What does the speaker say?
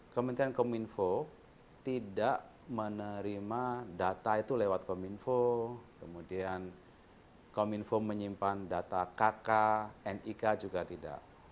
kementerian kominfo tidak menerima data itu lewat kominfo kemudian kominfo menyimpan data kk nik juga tidak